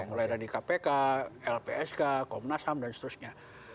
mulai dari kpk lpsk komnas ham dan seterusnya